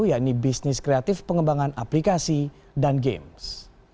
yakni bisnis kreatif pengembangan aplikasi dan games